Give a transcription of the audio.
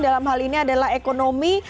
dalam hal ini adalah ekonomi